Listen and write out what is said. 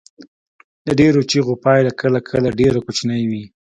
د ډیرو چیغو پایله کله کله ډیره کوچنۍ وي.